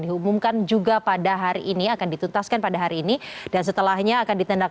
diumumkan juga pada hari ini akan dituntaskan pada hari ini dan setelahnya akan ditindak